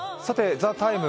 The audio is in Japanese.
「ＴＨＥＴＩＭＥ，」